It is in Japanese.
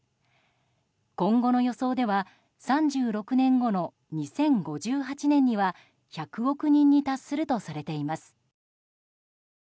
今後の予想では３６年後の２０５８年には１００億人に達するとされています。